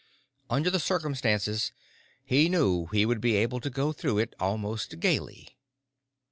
Under the circumstances, he knew he would be able to go through it almost gaily.